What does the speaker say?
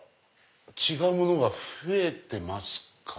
違うものが増えてますか？